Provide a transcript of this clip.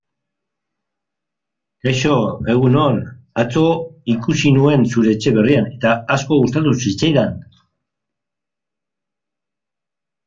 El hecho de que hubiera varios príncipes homónimos contribuye a la confusión.